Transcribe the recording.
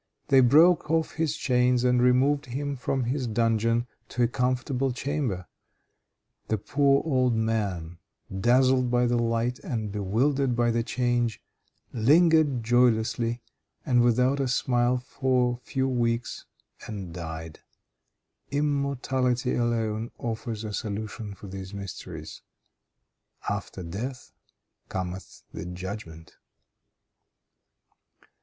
They broke off his chains and removed him from his dungeon to a comfortable chamber. The poor old man, dazzled by the light and bewildered by the change, lingered joylessly and without a smile for a few weeks and died. Immortality alone offers a solution for these mysteries. "After death cometh the judgment."